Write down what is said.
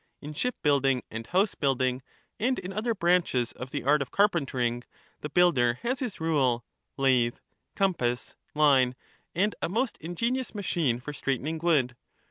In ship building and house building, and in other branches of the art of carpentering, the builder has his rule, lathe, compass, line, and a most ingenious machine for straightening wood.